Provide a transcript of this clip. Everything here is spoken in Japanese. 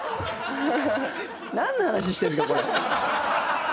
何の話してんだこれ？